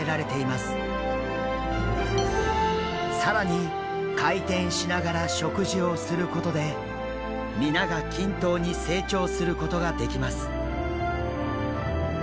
更に回転しながら食事をすることで皆が均等に成長することができます。